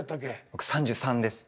僕３３です。